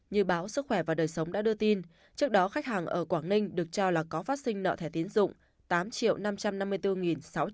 như báo sức khỏe và đời sống đã đưa tin trước đó khách hàng ở quảng ninh được trao là có phát sinh nợ thẻ tiến dụng